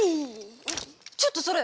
ちょっとそれ！